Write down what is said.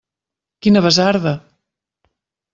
Quina basarda!